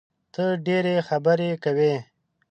ته ډېري خبري کوې!